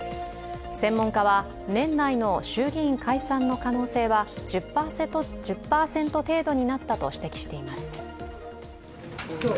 専門家は、年内の衆議院解散の可能性は１０％程度になったと指摘しています。